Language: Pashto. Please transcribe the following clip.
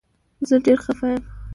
زه ډير خفه يم